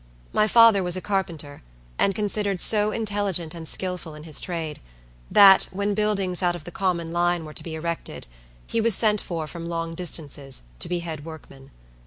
My father was a carpenter, and considered so intelligent and skilful in his trade, that, when buildings out of the common line were to be erected, he was sent for from long distances, to be head workman.